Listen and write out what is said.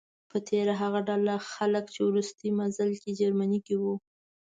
په تیره هغه ډله خلک چې وروستی منزل یې جرمني و.